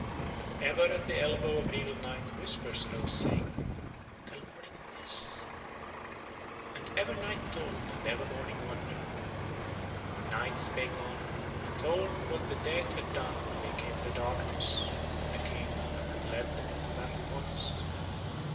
And ever at the elbow of regal Night whispers arose saying: "Tell Morning this." And ever Night told and ever Morning wondered. And Night spake on, and told what the dead had done when they came in the darkness on the King that had led them into battle once.